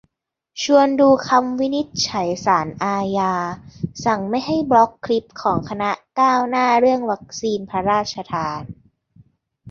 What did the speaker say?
ชวนดูคำวินิจฉัยศาลอาญา สั่งไม่ให้บล็อกคลิปของคณะก้าวหน้าเรื่องวัคซีนพระราชทาน